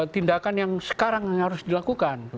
tindakan yang sekarang yang harus dilakukan